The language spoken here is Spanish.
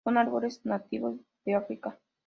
Son árboles nativos de África.